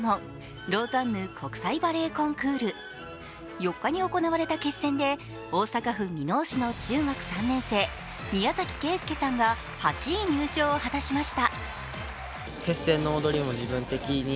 ４日に行われた決戦で、大阪府箕面市の中学３年生、宮崎圭介さんが８位入賞を果たしました。